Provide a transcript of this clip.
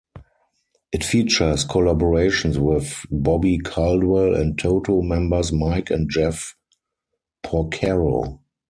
It features collaborations with Bobby Caldwell and Toto members Mike and Jeff Porcaro.